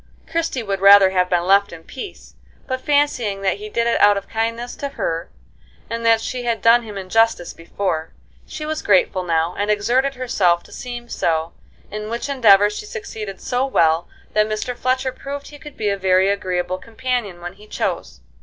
Christie would rather have been left in peace; but fancying that he did it out of kindness to her, and that she had done him injustice before, she was grateful now, and exerted herself to seem so; in which endeavor she succeeded so well that Mr. Fletcher proved he could be a very agreeable companion when he chose.